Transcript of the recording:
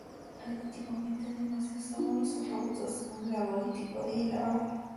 Antiguamente, además se usaban los alfabetos glagolítico y el árabe.